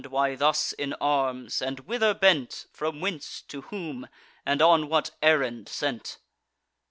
why thus in arms? And whither bent? From whence, to whom, and on what errand sent?"